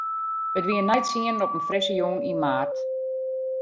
It wie nei tsienen op in frisse jûn yn maart.